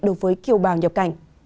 đối với kiều bào nhập cảnh